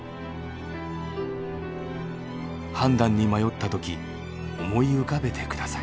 判断に迷ったとき思い浮かべてください。